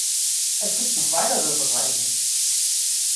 Es gibt noch weitere Bereiche.